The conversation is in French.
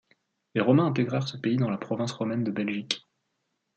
Les Romains intégrèrent ce pays dans la province romaine de Belgique.